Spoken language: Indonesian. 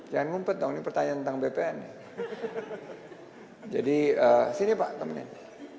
jangan ngumpet dong ini pertanyaan tentang bpn